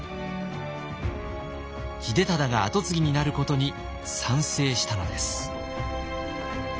秀忠が跡継ぎになることに賛成したのです。